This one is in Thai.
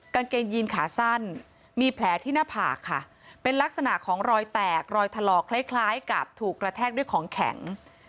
กางเกงยีนขาสั้นมีแผลที่หน้าผากค่ะเป็นลักษณะของรอยแตกรอยถลอกคล้ายกับถูกกระแทกด้วยของแข็ง